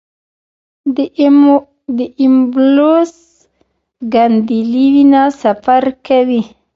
د ایمبولوس ګڼېدلې وینه سفر کوي.